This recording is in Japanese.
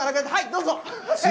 どうぞ。